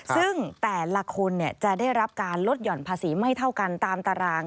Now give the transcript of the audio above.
ซึ่งแต่ละคนจะได้รับการลดหย่อนภาษีไม่เท่ากันตามตาราง